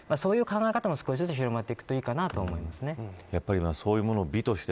そういう考え方も少しずつ広まっていくといいかなと思います。